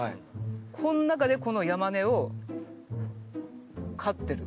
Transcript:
この中でこのヤマネを飼ってる。